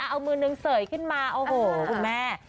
เอามือนึงเสยขึ้นมาพี่แม่